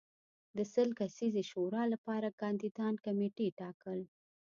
د سل کسیزې شورا لپاره کاندیدان کمېټې ټاکل